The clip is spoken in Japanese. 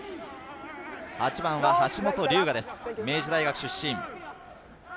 ８番は箸本龍雅です、明治大学出身。